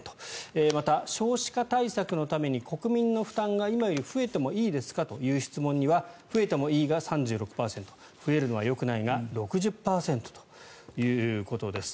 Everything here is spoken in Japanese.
また、少子化対策のために国民の負担が今より増えてもいいですかという質問には増えてもいいが３６％増えるのはよくないが６０％ということです。